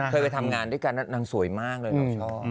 เคยไปทำงานด้วยกันนางสวยมากเลยนางชอบ